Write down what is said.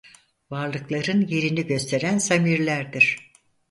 Varlıkların yerini gösteren zamirlerdir.